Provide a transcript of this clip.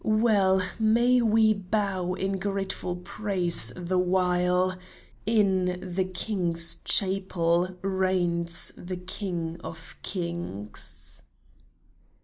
Well may we bow in grateful praise the while — In the King's Chapel reigns the King of Kings